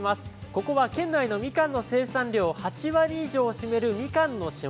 ここは県内のみかんの生産量８割以上を占める、みかんの島。